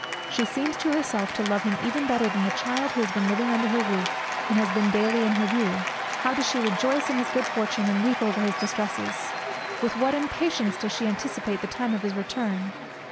She seems to herself to love him even better than the child who has been living under her roof, and has been daily in her view. How does she rejoice in his good fortune, and weep over his distresses! With what impatience does she anticipate the time of his return!